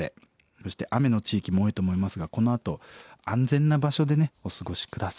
そして雨の地域も多いと思いますがこのあと安全な場所でお過ごし下さい。